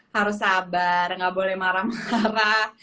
harus sabar nggak boleh marah marah